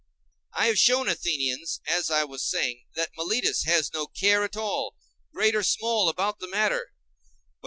I have shown, Athenians, as I was saying, that Meletus has no care at all, great or small, about the matter.